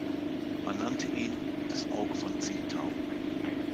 Man nannte ihn „Das Auge von Tsingtau“.